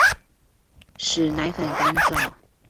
使奶粉乾燥